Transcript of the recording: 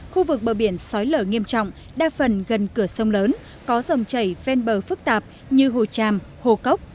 khu vực bờ biển sói lở nghiêm trọng đa phần gần cửa sông lớn có dòng chảy ven bờ phức tạp như hồ tràm hồ cốc